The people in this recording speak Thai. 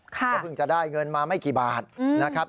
ก็เพิ่งจะได้เงินมาไม่กี่บาทนะครับ